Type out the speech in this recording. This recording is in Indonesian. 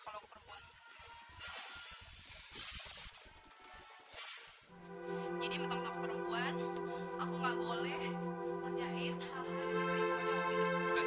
kak fatima gak kesepian